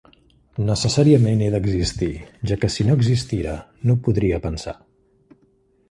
Necessàriament he d'existir, ja que si no existira, no podria pensar.